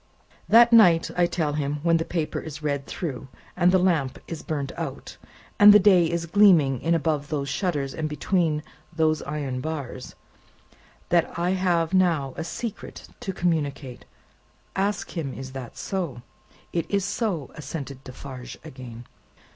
"That night, I tell him, when the paper is read through, and the lamp is burnt out, and the day is gleaming in above those shutters and between those iron bars, that I have now a secret to communicate. Ask him, is that so." "It is so," assented Defarge again.